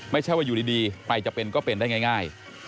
ไม่ใช่ว่าอยู่ดีใครจะเป็นก็เป็นได้ง่าย